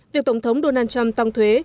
việc tổng thống donald trump tăng thuế